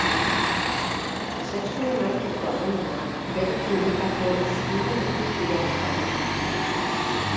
Sexuen arteko harremanak bere filmetako hizpide nagusia izaten da.